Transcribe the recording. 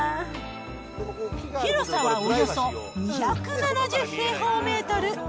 広さはおよそ２７０平方メートル。